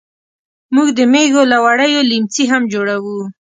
موږ د مېږو له وړیو لیمڅي هم جوړوو.